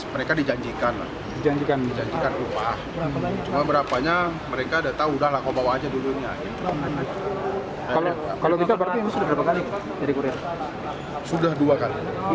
mereka dijanjikan janjikan janjikan berapa nya mereka ada tahu dalam obatnya dulu kalau kalau